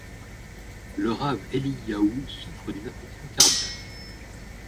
Le rav Eliyahou souffre d'une affection cardiaque.